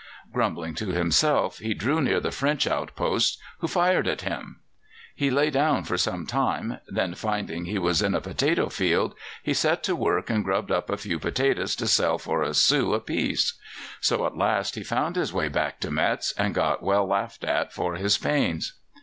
Grumbling to himself, he drew near the French outposts, who fired at him. He lay down for some time, then, finding he was in a potato field, he set to work and grubbed up a few potatoes to sell for a sou a piece. So at last he found his way back to Metz, and got well laughed at for his pains.